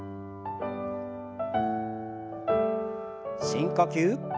深呼吸。